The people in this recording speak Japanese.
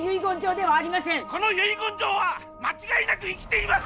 この遺言状は間違いなく生きています！